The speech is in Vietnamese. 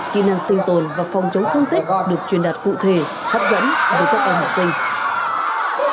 kỹ năng sinh tồn và phòng chống thương tích được truyền đạt cụ thể hấp dẫn với các em học sinh